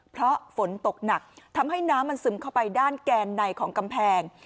เพราะฝนตกหนักทำให้น้ำมันซึมเข้าไปด้านแกนในของกำแพง